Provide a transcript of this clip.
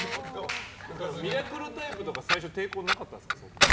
「ミラクルタイプ」とか最初抵抗なかったんですか。